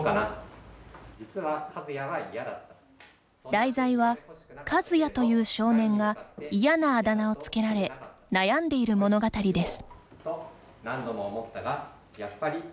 題材は、かずやという少年が嫌なあだ名をつけられ悩んでいる物語です。